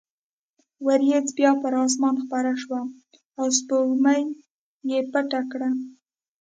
وریځ بیا پر اسمان خپره شوه او سپوږمۍ یې پټه کړه.